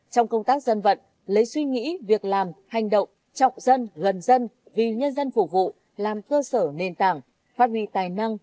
trong công tác dân vận lấy suy nghĩ việc làm hành động trọng dân gần dân vì nhân dân phục vụ làm cơ sở nền tảng phát huy tài năng